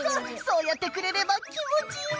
そうやってくれれば気持ちいいの。